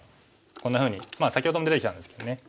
こんなふうに先ほども出てきたんですけどね